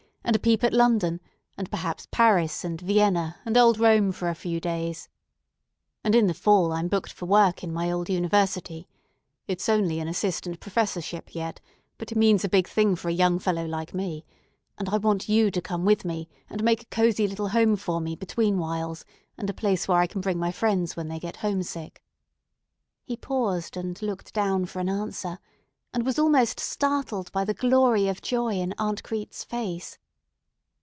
and a peep at London, and perhaps Paris and Vienna and old Rome for a few days? And in the fall I'm booked for work in my old university. It's only an assistant professorship yet, but it means a big thing for a young fellow like me, and I want you to come with me and make a cozy little home for me between whiles and a place where I can bring my friends when they get homesick." He paused and looked down for an answer, and was almost startled by the glory of joy in Aunt Crete's face.